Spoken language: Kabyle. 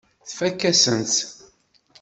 Tfakk-asent-tt.